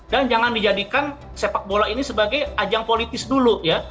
dan jangan dijadikan sepak bola ini sebagai ajang politis dulu ya